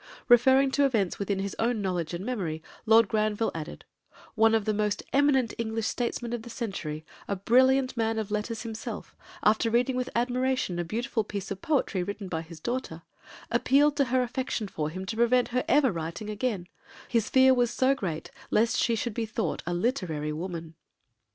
Referring to events within his own knowledge and memory, Lord Granville added, "One of the most eminent English statesmen of the century, a brilliant man of letters himself, after reading with admiration a beautiful piece of poetry written by his daughter, appealed to her affection for him to prevent her ever writing again, his fear was so great lest she should be thought a literary woman."